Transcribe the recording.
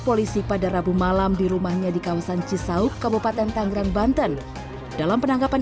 polisi pada rabu malam di rumahnya di kawasan cisauk kabupaten tanggerang banten dalam penangkapan